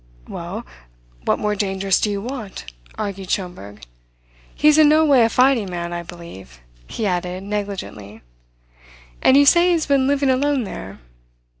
"Well, what more dangerous do you want?" argued Schomberg. "He's in no way a fighting man, I believe," he added negligently. "And you say he has been living alone there?"